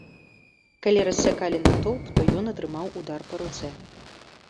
Калі рассякалі натоўп, то ён атрымаў удар па руцэ.